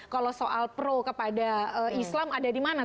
kalau soal pro kepada islam ada di mana